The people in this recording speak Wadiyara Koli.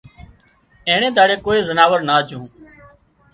اينڻي ۮاڙي ڪوئي زناور نا جھون